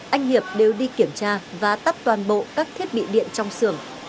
anh hiệp đều đi kiểm tra và tắt toàn bộ các thiết bị điện trong xưởng